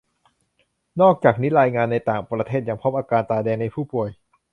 นอกจากนี้รายงานในต่างประเทศยังพบอาการตาแดงในผู้ป่วย